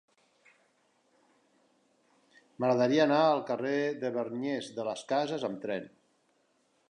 M'agradaria anar al carrer de Bergnes de las Casas amb tren.